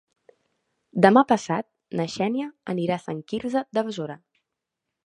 Demà passat na Xènia anirà a Sant Quirze de Besora.